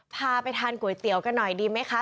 พาไปทานก๋วยเตี๋ยวกันหน่อยดีไหมคะ